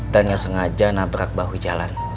dan gak sengaja nabrak bahu jalan